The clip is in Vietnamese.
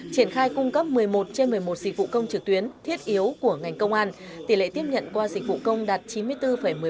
triển khai cung cấp một mươi một trên một mươi một dịch vụ công trực tuyến thiết yếu của ngành công an tỷ lệ tiếp nhận qua dịch vụ công đạt chín mươi bốn một mươi bốn